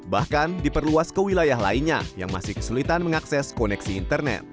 bahkan diperluas ke wilayah lainnya yang masih kesulitan mengakses koneksi internet